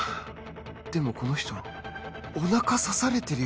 でもこの人おなか刺されてるよな